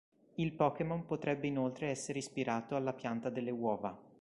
Il Pokémon potrebbe inoltre essere ispirato alla pianta delle uova.